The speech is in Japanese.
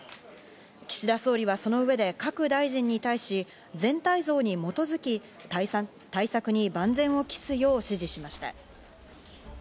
岸田総理はその上で各大臣に対し、全体像に基づき対策に万全を期すよう指示しました。